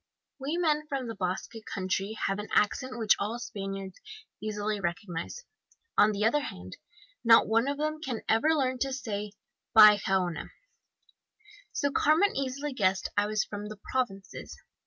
"We men from the Basque country have an accent which all Spaniards easily recognise; on the other hand, not one of them can ever learn to say Bai, jaona!* * Yes, sir. "So Carmen easily guessed I was from the Provinces.